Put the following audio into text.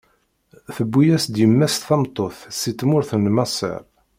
Tewwi-as-d yemma-s tameṭṭut si tmurt n Maṣer.